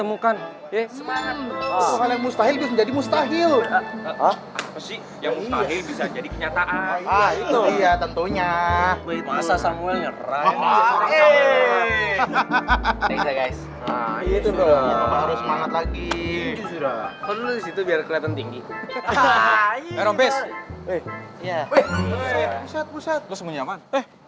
eh bangkuan men